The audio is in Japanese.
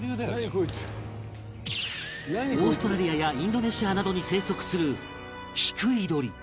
オーストラリアやインドネシアなどに生息するヒクイドリ